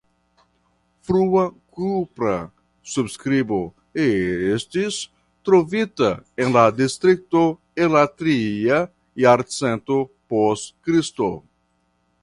Frua kupra surskribo estis trovita en la distrikto el la tria jarcento post Kristo.